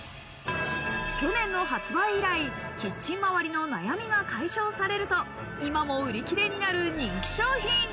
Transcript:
去年の発売以来、キッチン周りの悩みが解消されると、今も売り切れになる人気商品。